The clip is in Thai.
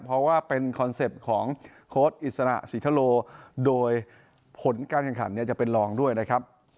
เพราะว่าเป็นคอนเซ็ปต์ของโค้ดอิสระศรีทะโลโดยผลการแข่งขันเนี่ยจะเป็นรองด้วยนะครับ